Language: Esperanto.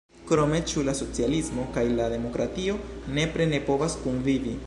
Krome, ĉu la socialismo kaj la demokratio nepre ne povas kunvivi?